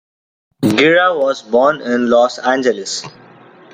Gira was born in Los Angeles.